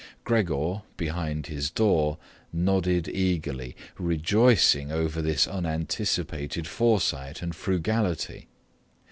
Gregor, behind his door, nodded eagerly, rejoicing over this unanticipated foresight and frugality.